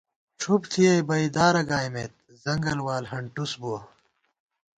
ڄُھوپ ݪِیَئ بئ دارہ گائیمېت، ځنگل وال ہنٹُس بُوَہ